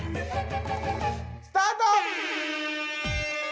スタート！